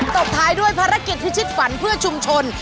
ตบท้ายด้วยภารกิจพิชิตฝันเพื่อชุมชน